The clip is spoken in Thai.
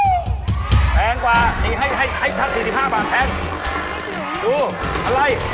ดูเอาไว้เอาไว้